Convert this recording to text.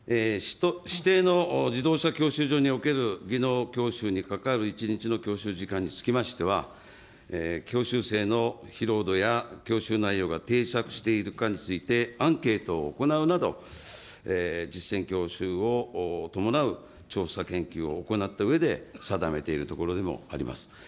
指定の自動車教習所における技能教習にかかる１日の教習時間につきましては、教習生の疲労度や教習内容が定着しているかについて、アンケートを行うなど、実践教習を伴う調査研究を行ったうえで、定めているところでもあります。